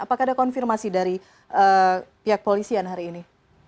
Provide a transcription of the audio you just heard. apakah ada konfirmasi dari pihak polisian hari ini